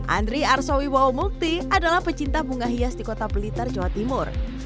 andri arsowi wow mukti adalah pecinta bunga hias di kota pelitar jawa timur